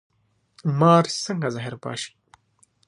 مار څنګه زهر پاشي؟